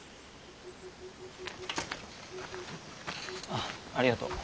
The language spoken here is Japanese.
あっありがとう。